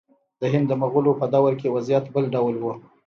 د هند د مغولو په دور کې وضعیت بل ډول و.